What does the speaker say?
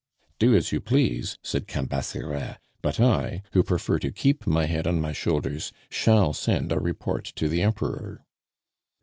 "Do as you please," said Cambaceres; "but I, who prefer to keep my head on my shoulders, shall send a report to the Emperor."